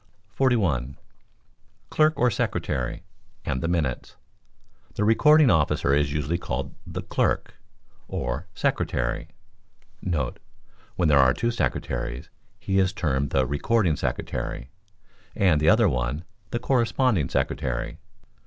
41. Clerk or Secretary [and the Minutes]. The recording officer is usually called the "Clerk" or "Secretary,"* [When there are two secretaries, he is termed the "recording secretary," and the other one, the "corresponding secretary."